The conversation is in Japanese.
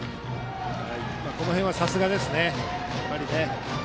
この辺はさすがですね。